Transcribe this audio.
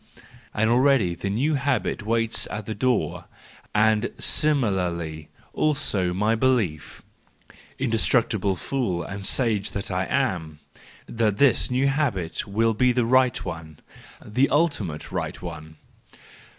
And already the new habit waits at the door, and similarly also my belief—indestructible fool and sage that I am !—that this new habit will be the right one, the ultimate right one.